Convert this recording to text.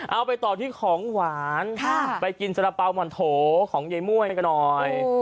เอาไปต่อที่ของหวานไปกินสาระเป๋าหม่อนโถของยายม่วยกันหน่อย